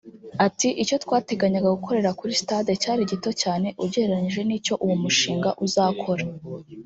Ati “Icyo twateganyaga gukorera kuri Stade cyari gito cyane ugereranyije n’icyo uwo mushinga uzakora